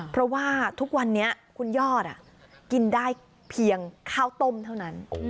เพราะว่าทุกวันนี้คุณยอดกินได้เพียงข้าวต้มเท่านั้น